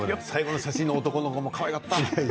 最後の写真の男の子もかわいかった。